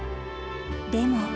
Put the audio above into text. でも。